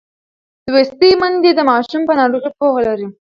لوستې میندې د ماشوم پر ناروغۍ پوهه لري.